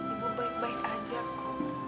ibu baik baik aja kok